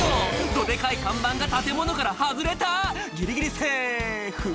「どデカい看板が建物から外れたギリギリセーフ！」